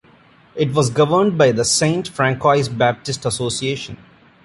It was governed by the Saint Francois Baptist Association.